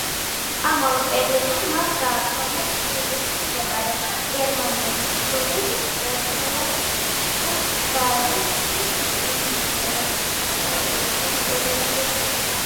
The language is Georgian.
ამავე პერიოდში მან გააფორმა თბილისში მდებარე გერმანული ლუდის რესტორან „შტუტგარტის“ ინტერიერი.